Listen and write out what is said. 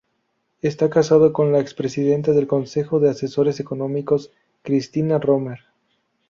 Está casado con la expresidenta del Consejo de Asesores Económicos, Christina Romer.